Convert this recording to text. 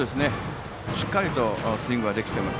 しっかりスイングできてます。